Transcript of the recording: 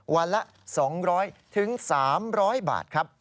วันละ๒๐๐๓๐๐บาทครับ